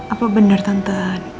apa bener tante